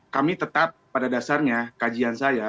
kami tetap pada dasarnya kajian saya